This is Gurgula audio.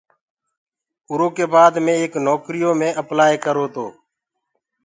اُرو ڪي بآد مي ايڪ نوڪريٚ يو مي اپلآئي ڪررو تو۔